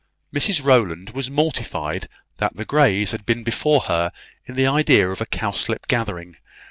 Mrs Rowland was mortified that the Greys had been beforehand with her in the idea of a cowslip gathering.